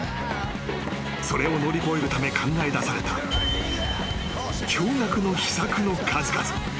［それを乗り越えるため考えだされた驚愕の秘策の数々］